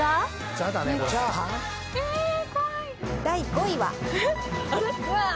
第５位は。